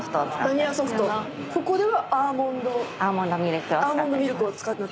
ここではアーモンド。